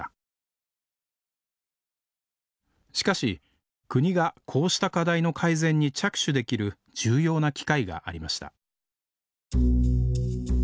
しかし国がこうした課題の改善に着手できる重要な機会がありました